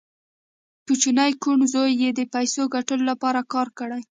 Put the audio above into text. کوچني کوڼ زوی یې د پیسو ګټلو لپاره کار کړی